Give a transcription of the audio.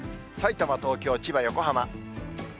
さいたま、東京、千葉、横浜。